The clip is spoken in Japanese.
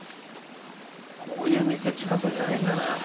こういう店近くにないかな。